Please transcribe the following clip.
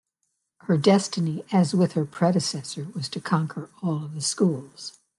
Her destiny, as with her predecessor, was to conquer all of the schools.